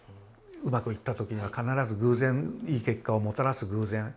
うまくいった時には必ず偶然いい結果をもたらす偶然。